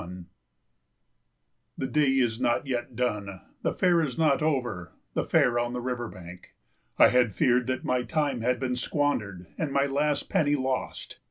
71 The day is not yet done, the fair is not over, the fair on the river bank. I had feared that my time had been squandered and my last penny lost.